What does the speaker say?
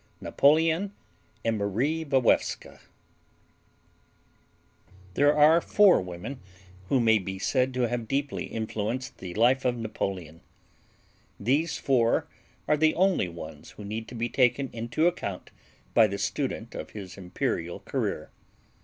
NAPOLEON AND MARIE WALEWSKA There are four women who may be said to have deeply influenced the life of Napoleon. These four are the only ones who need to be taken into account by the student of his imperial career.